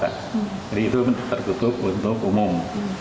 jadi itu terkutuk untuk umum